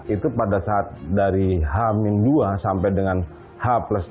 itu pada saat dari h dua sampai dengan h tiga